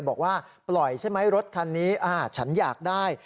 บอกว่าปล่อยใช่ไหมรถคันนี้ฉันอยากได้